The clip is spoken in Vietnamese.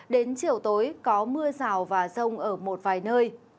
đến chiều tối có mưa rào và rông ở một vài nơi